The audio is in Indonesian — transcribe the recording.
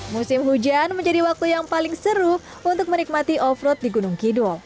musim hujan menjadi waktu yang paling seru untuk menikmati off road di gunung kidul